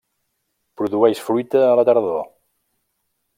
Produeix fruita a la tardor.